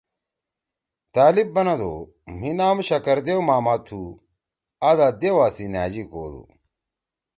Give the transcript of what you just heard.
طألب بنَدُو: ”مھی نام شکر دیو ماما تُھو! آ دا دیؤا سی نھأژی کودُو۔“